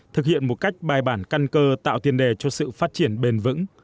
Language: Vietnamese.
thực hiện một cách bài bản căn cơ tạo tiền đề cho sự phát triển bền vững